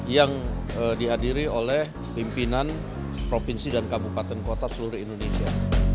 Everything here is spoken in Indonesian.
yang dihadiri oleh pimpinan provinsi dan kabupaten kota seluruh indonesia